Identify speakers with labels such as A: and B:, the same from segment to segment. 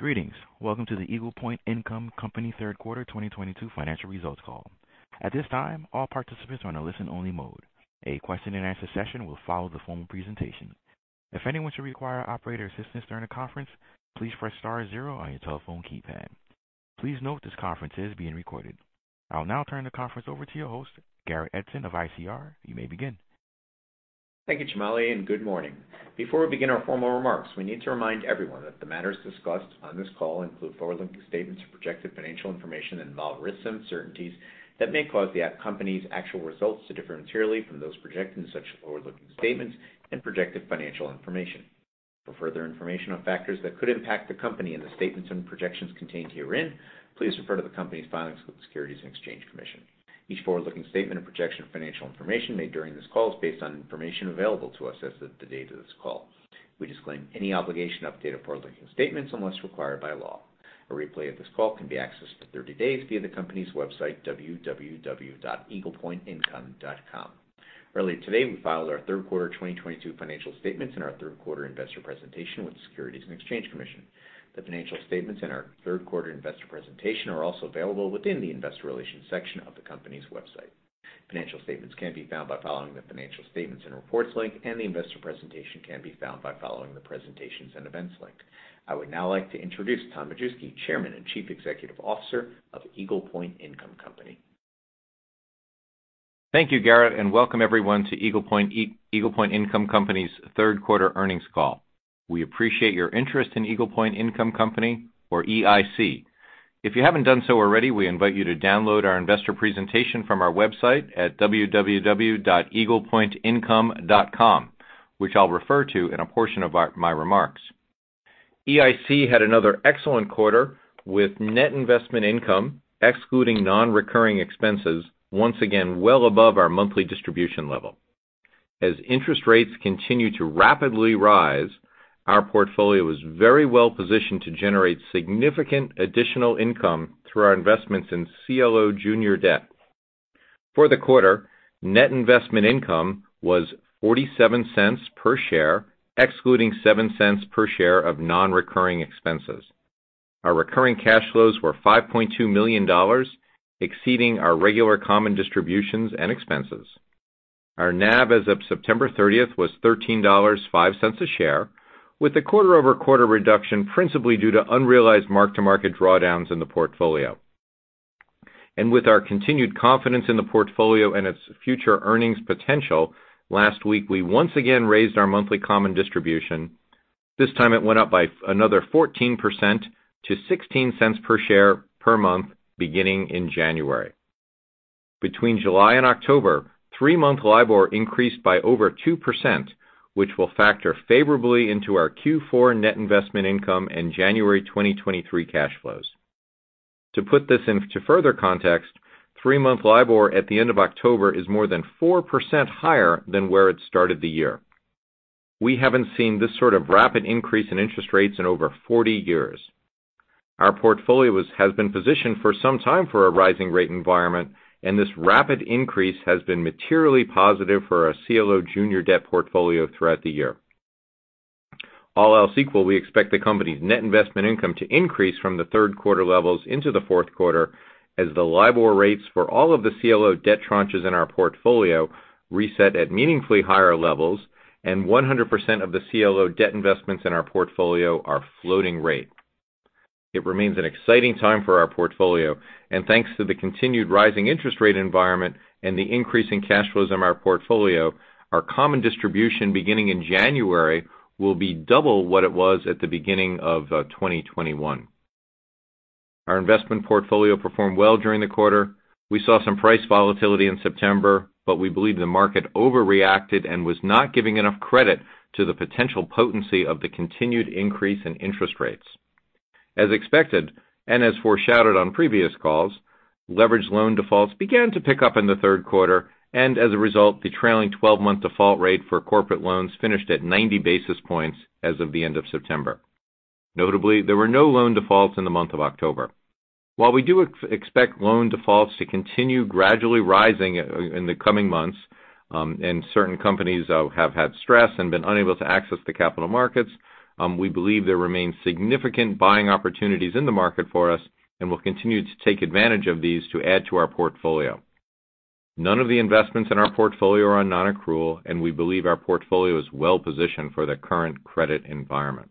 A: Greetings. Welcome to the Eagle Point Income Company third quarter 2022 financial results call. At this time, all participants are on a listen only mode. A question-and-answer session will follow the formal presentation. If anyone should require operator assistance during the conference, please press star zero on your telephone keypad. Please note this conference is being recorded. I'll now turn the conference over to your host, Garrett Edson of ICR. You may begin.
B: Thank you, Jamali, and good morning. Before we begin our formal remarks, we need to remind everyone that the matters discussed on this call include forward-looking statements of projected financial information and involve risks and uncertainties that may cause the company's actual results to differ materially from those projected in such forward-looking statements and projected financial information. For further information on factors that could impact the company and the statements and projections contained herein, please refer to the company's filings with the Securities and Exchange Commission. Each forward-looking statement and projection of financial information made during this call is based on information available to us as of the date of this call. We disclaim any obligation to update forward-looking statements unless required by law. A replay of this call can be accessed for 30 days via the company's website, www.eaglepointincome.com. Earlier today, we filed our third quarter 2022 financial statements and our third quarter investor presentation with the Securities and Exchange Commission. The financial statements in our third quarter investor presentation are also available within the investor relations section of the company's website. Financial statements can be found by following the Financial Statements & Reports link, and the investor presentation can be found by following the Presentations & Events link. I would now like to introduce Thomas Majewski, Chairman and Chief Executive Officer of Eagle Point Income Company.
C: Thank you, Garrett, and welcome everyone to Eagle Point Income Company's third quarter earnings call. We appreciate your interest in Eagle Point Income Company or EIC. If you haven't done so already, we invite you to download our investor presentation from our website at www.eaglepointincome.com, which I'll refer to in a portion of my remarks. EIC had another excellent quarter with net investment income excluding non-recurring expenses once again well above our monthly distribution level. As interest rates continue to rapidly rise, our portfolio is very well-positioned to generate significant additional income through our investments in CLO junior debt. For the quarter, net investment income was $0.47 per share, excluding $0.07 per share of non-recurring expenses. Our recurring cash flows were $5.2 million, exceeding our regular common distributions and expenses. Our NAV as of September 30th was $13.05 a share, with a quarter-over-quarter reduction principally due to unrealized mark-to-market drawdowns in the portfolio. With our continued confidence in the portfolio and its future earnings potential, last week we once again raised our monthly common distribution. This time it went up by another 14% to $0.16 per share per month beginning in January. Between July and October, 3-month LIBOR increased by over 2%, which will factor favorably into our Q4 net investment income and January 2023 cash flows. To put this into further context, three-month LIBOR at the end of October is more than 4% higher than where it started the year. We haven't seen this sort of rapid increase in interest rates in over 40 years. Our portfolio has been positioned for some time for a rising rate environment, and this rapid increase has been materially positive for our CLO junior debt portfolio throughout the year. All else equal, we expect the company's net investment income to increase from the third quarter levels into the fourth quarter as the LIBOR rates for all of the CLO debt tranches in our portfolio reset at meaningfully higher levels and 100% of the CLO debt investments in our portfolio are floating rate. It remains an exciting time for our portfolio. Thanks to the continued rising interest rate environment and the increase in cash flows in our portfolio, our common distribution beginning in January will be double what it was at the beginning of 2021. Our investment portfolio performed well during the quarter. We saw some price volatility in September, but we believe the market overreacted and was not giving enough credit to the potential potency of the continued increase in interest rates. As expected and as foreshadowed on previous calls, leveraged loan defaults began to pick up in the third quarter, and as a result, the trailing twelve-month default rate for corporate loans finished at 90 basis points as of the end of September. Notably, there were no loan defaults in the month of October. While we do expect loan defaults to continue gradually rising in the coming months, and certain companies have had stress and been unable to access the capital markets, we believe there remains significant buying opportunities in the market for us and will continue to take advantage of these to add to our portfolio. None of the investments in our portfolio are on non-accrual, and we believe our portfolio is well positioned for the current credit environment.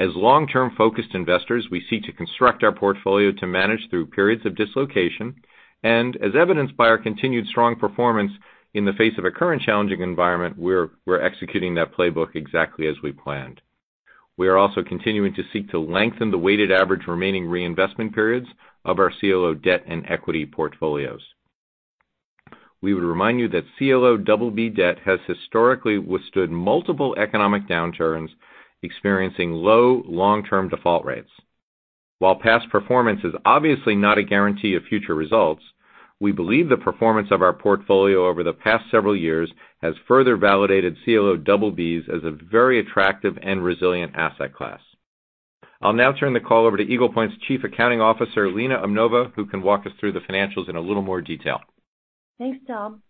C: As long-term-focused investors, we seek to construct our portfolio to manage through periods of dislocation, and as evidenced by our continued strong performance in the face of a current challenging environment, we're executing that playbook exactly as we planned. We are also continuing to seek to lengthen the weighted average remaining reinvestment periods of our CLO debt and equity portfolios. We would remind you that CLO BB debt has historically withstood multiple economic downturns, experiencing low long-term default rates. While past performance is obviously not a guarantee of future results, we believe the performance of our portfolio over the past several years has further validated CLO BBs as a very attractive and resilient asset class. I'll now turn the call over to Eagle Point's Chief Accounting Officer, Lena Umnova, who can walk us through the financials in a little more detail.
D: Thanks, Tom.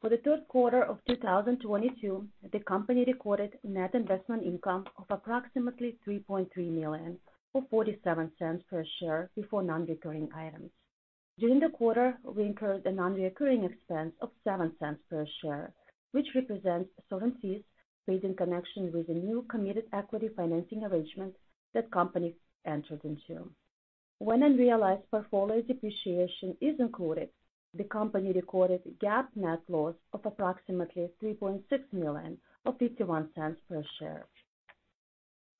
D: For the third quarter of 2022, the company recorded net investment income of approximately $3.3 million, or $0.47 per share before non-recurring items. During the quarter, we incurred a non-recurring expense of $0.07 per share, which represents certain fees paid in connection with the new committed equity financing arrangement that company entered into. When unrealized portfolio depreciation is included, the company recorded GAAP net loss of approximately $3.6 million, or $0.51 per share.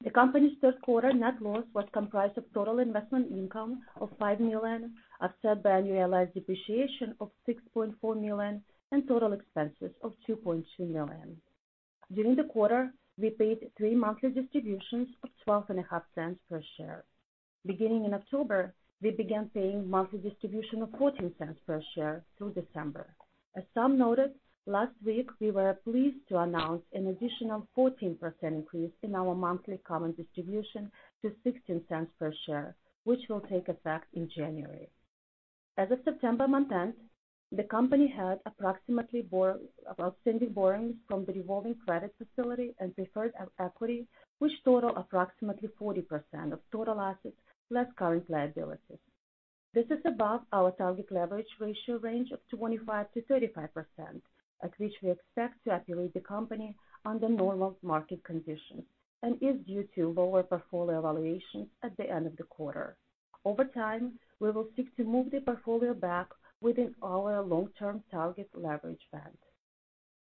D: The company's third quarter net loss was comprised of total investment income of $5 million, offset by unrealized depreciation of $6.4 million, and total expenses of $2.2 million. During the quarter, we paid three monthly distributions of $0.125 per share. Beginning in October, we began paying monthly distribution of $0.14 per share through December. As Tom noted, last week, we were pleased to announce an additional 14% increase in our monthly common distribution to $0.16 per share, which will take effect in January. As of September month-end, the company had approximately outstanding borrowings from the revolving credit facility and preferred equity, which total approximately 40% of total assets less current liabilities. This is above our target leverage ratio range of 25%-35% at which we expect to operate the company under normal market conditions and is due to lower portfolio valuations at the end of the quarter. Over time, we will seek to move the portfolio back within our long-term target leverage band.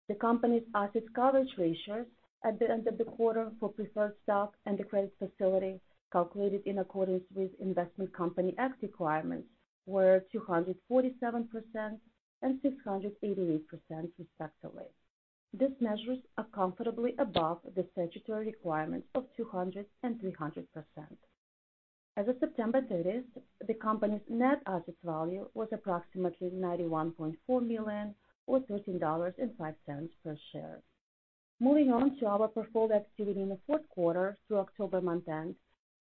D: The company's asset coverage ratios at the end of the quarter for preferred stock and the credit facility calculated in accordance with Investment Company Act requirements were 247% and 688%, respectively. These measures are comfortably above the statutory requirements of 200% and 300%. As of September 30, the company's net asset value was approximately $91.4 million or $13.05 per share. Moving on to our portfolio activity in the third quarter through October month end.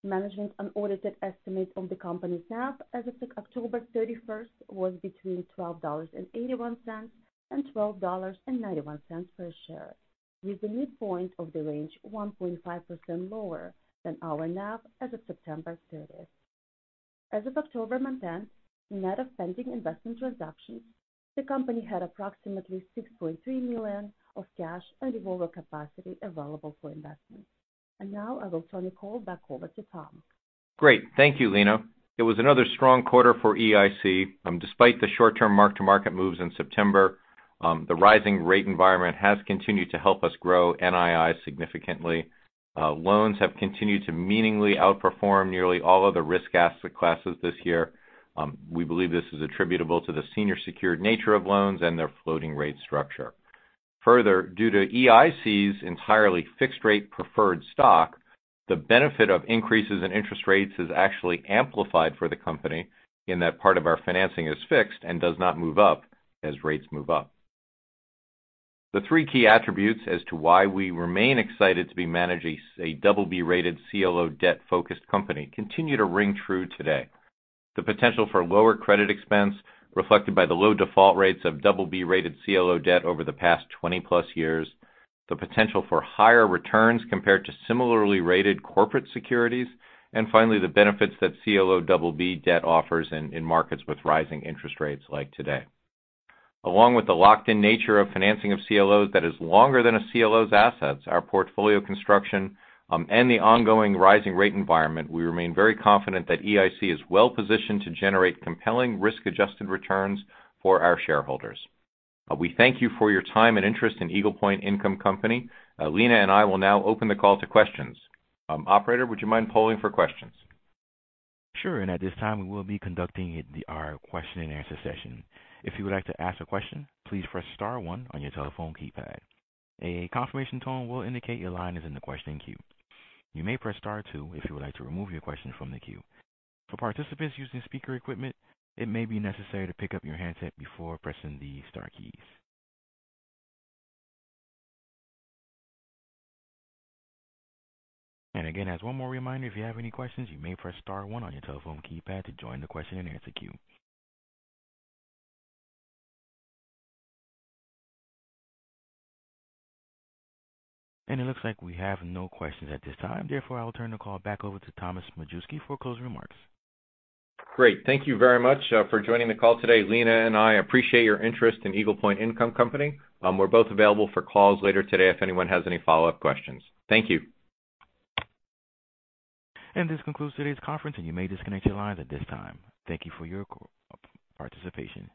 D: Management's unaudited estimate of the company's NAV as of October 31 was between $12.81 and $12.91 per share, with the midpoint of the range 1.5% lower than our NAV as of September 30. As of October month-end, net of pending investment transactions, the company had approximately $6.3 million of cash and revolver capacity available for investment. Now I will turn the call back over to Tom.
C: Great. Thank you, Lena. It was another strong quarter for EIC. Despite the short-term mark-to-market moves in September, the rising rate environment has continued to help us grow NII significantly. Loans have continued to meaningfully outperform nearly all other risk asset classes this year. We believe this is attributable to the senior secured nature of loans and their floating rate structure. Further, due to EIC's entirely fixed rate preferred stock, the benefit of increases in interest rates is actually amplified for the company in that part of our financing is fixed and does not move up as rates move up. The three key attributes as to why we remain excited to be managing a double B-rated CLO debt-focused company continue to ring true today. The potential for lower credit expense reflected by the low default rates of double-B-rated CLO debt over the past 20+ years, the potential for higher returns compared to similarly rated corporate securities, and finally, the benefits that CLO double-B debt offers in markets with rising interest rates like today. Along with the locked-in nature of financing of CLOs that is longer than a CLO's assets, our portfolio construction, and the ongoing rising rate environment, we remain very confident that EIC is well-positioned to generate compelling risk-adjusted returns for our shareholders. We thank you for your time and interest in Eagle Point Income Company. Lena and I will now open the call to questions. Operator, would you mind polling for questions?
A: Sure. At this time, we will be conducting our question-and-answer session. If you would like to ask a question, please press star one on your telephone keypad. A confirmation tone will indicate your line is in the question queue. You may press star two if you would like to remove your question from the queue. For participants using speaker equipment, it may be necessary to pick up your handset before pressing the star keys. Again, as one more reminder, if you have any questions, you may press star one on your telephone keypad to join the question and answer queue. It looks like we have no questions at this time. Therefore, I will turn the call back over to Thomas Majewski for closing remarks.
C: Great. Thank you very much for joining the call today. Lena and I appreciate your interest in Eagle Point Income Company. We're both available for calls later today if anyone has any follow-up questions. Thank you.
A: This concludes today's conference, and you may disconnect your lines at this time. Thank you for your participation.